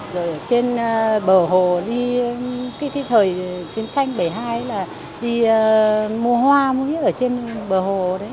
rồi ở trên bờ hồ đi cái thời chiến tranh bảy mươi hai là đi mua hoa mỗi khi ở trên bờ hồ đấy